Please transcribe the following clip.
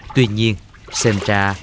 tuy nhiên xem ra